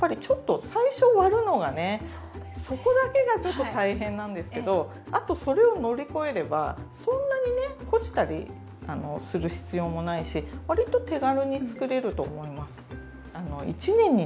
やっぱりちょっとあとそれを乗り越えればそんなにね干したりする必要もないしわりと手軽につくれると思います。